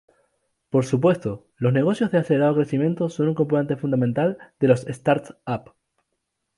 Por supuesto, los negocios de acelerado crecimiento son un componente fundamental de las "startups".